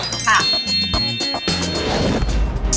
ค่ะ